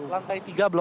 lantai tiga blok satu